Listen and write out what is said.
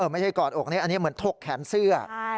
ไม่ใช่กอดอกนี้อันนี้เหมือนถกแขนเสื้อ